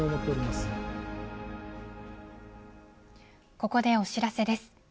ここでお知らせです。